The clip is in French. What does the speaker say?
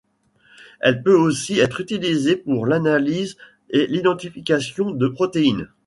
Elle peut aussi être utilisée pour l’analyse et l’identification de protéines.